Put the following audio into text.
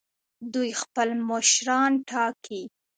دوی خپل مشران ټاکي.